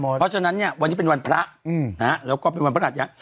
หมดเพราะฉะนั้นเนี้ยวันนี้เป็นวันพระอืมนะฮะแล้วก็เป็นวันพระหัสย้าย